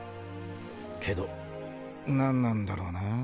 けど何なんだろうな